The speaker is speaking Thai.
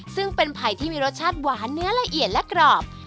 ซึ่งเป็นไผ่ที่มีรสชาติหวานเนื้อละเอียดและกรอบ